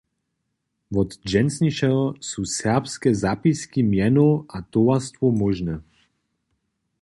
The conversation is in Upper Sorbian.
Wot dźensnišeho su serbske zapiski mjenow a towarstwow móžne.